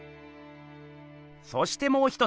そしてもう一つ！